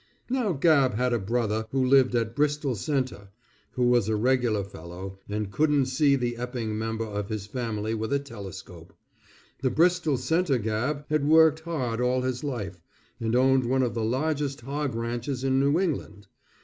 Now Gabb had a brother who lived at Bristol Centre, who was a regular fellow, and couldn't see the Epping member of his family with a telescope. The Bristol Centre Gabb had worked hard all his life, and owned one of the largest hog ranches in New England.